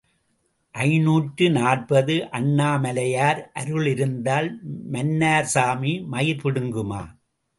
ஐநூற்று நாற்பது அண்ணாமலையார் அருள் இருந்தால் மன்னார் சாமி மயிர் பிடுங்குமா?